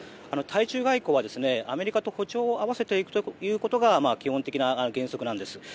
対中外交はアメリカと歩調を合わせていくことが基本的な原則なんです。